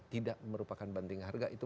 tidak merupakan banting harga itu